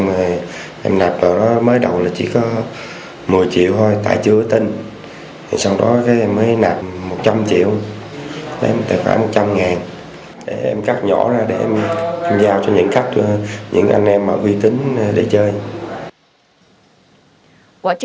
nguyễn lê tuấn đức cơ quan cảnh sát